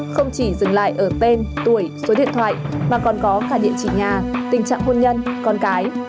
không chỉ dừng lại ở tên tuổi số điện thoại mà còn có cả địa chỉ nhà tình trạng hôn nhân con cái